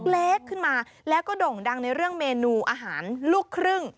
เล็กขึ้นมาแล้วก็ด่งดังในเรื่องเมนูอาหารลูกครึ่ง